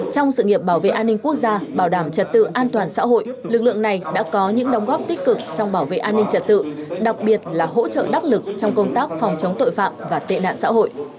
trong sự nghiệp bảo vệ an ninh quốc gia bảo đảm trật tự an toàn xã hội lực lượng này đã có những đồng góp tích cực trong bảo vệ an ninh trật tự đặc biệt là hỗ trợ đắc lực trong công tác phòng chống tội phạm và tệ nạn xã hội